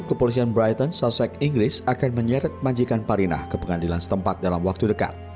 kepolisian brighton sosek inggris akan menyeret majikan parinah ke pengadilan setempat dalam waktu dekat